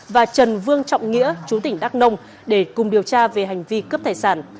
và trần vương trọng nghĩa chú tỉnh đắk nông để cùng điều tra về hành vi cướp tài sản